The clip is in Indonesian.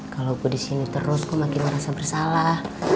kalo gue disini terus gue makin merasa bersalah